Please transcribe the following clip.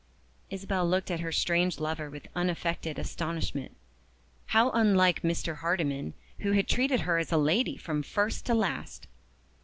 Isabel looked at her strange lover with unaffected astonishment. How unlike Mr. Hardyman, who had treated her as a lady from first to last!